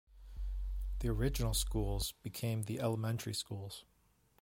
The original schools became the elementary schools.